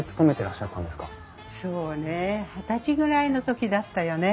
そうねえ二十歳ぐらいの時だったよね？